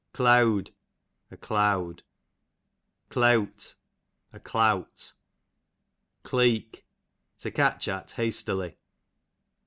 Cleawd, a cloud. Cleawt, a clout. Cleek, to catch at hastily.